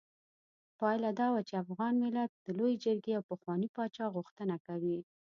پايله دا وه چې افغان ملت د لویې جرګې او پخواني پاچا غوښتنه کوي.